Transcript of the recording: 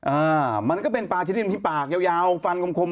อ่ามันก็เป็นปลาชนิดที่ปากยาวยาวฟันคมคม